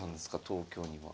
東京には。